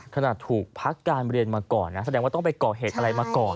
ถูกพักการเรียนมาก่อนนะแสดงว่าต้องไปก่อเหตุอะไรมาก่อน